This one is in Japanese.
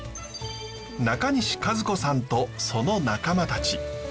中西和子さんとその仲間たち。